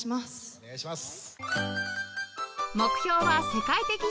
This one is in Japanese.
お願いします。